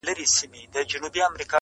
خندا چي تاته در پرې ايښې په ژرا مئين يم,